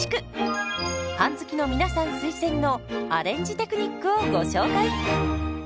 パン好きの皆さん推薦のアレンジテクニックをご紹介。